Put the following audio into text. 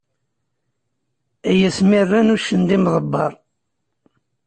Ay asmi rran uccen d imḍebber!